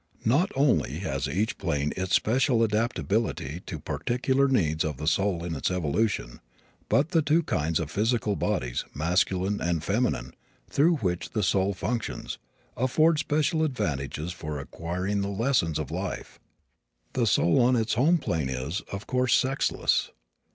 Not only has each plane its special adaptability to particular needs of the soul in its evolution, but the two kinds of physical bodies masculine and feminine through which the soul functions, afford special advantages for acquiring the lessons of life. The soul on its home plane is, of course, sexless.